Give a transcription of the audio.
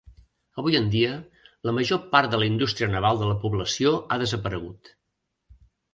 Avui en dia, la major part de la indústria naval de la població ha desaparegut.